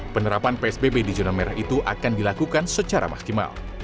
penerapan psbb di zona merah itu akan dilakukan secara maksimal